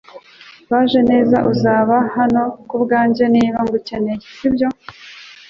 Bajeneza, uzaba hano kubwanjye niba ngukeneye, sibyo?